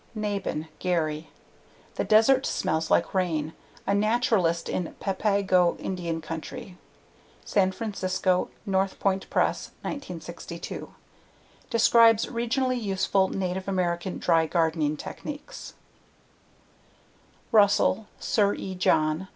Nabhan, Gary. The Desert Smells like Rain: A Naturalist in Papago Indian Country. San Francisco: North Point Press, 1962. Describes regionally useful Native American dry gardening techniques Russell, Sir E. John.